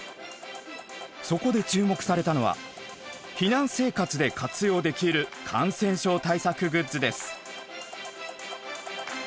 そこで注目されたのは避難生活で活用できる感染症対策グッズです。